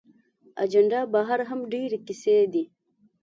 اجندا بهر هم ډېرې کیسې دي.